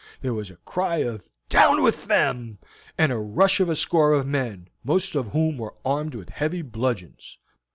There was a cry of "Down with them!" and a rush of a score of men, most of whom were armed with heavy bludgeons.